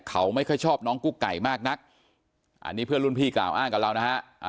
เขาไม่ค่อยชอบน้องกุ๊กไก่มากนักอันนี้เพื่อนรุ่นพี่กล่าวอ้างกับเรานะฮะ